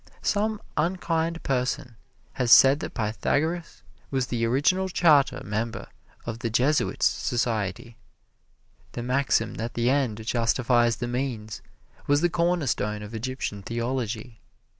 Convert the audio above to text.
Some unkind person has said that Pythagoras was the original charter member of the Jesuits Society. The maxim that the end justifies the means was the cornerstone of Egyptian theology.